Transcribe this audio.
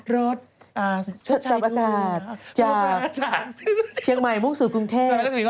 รถชัยดูจากเชียงใหม่มุ่งสู่กรุงเทพฯ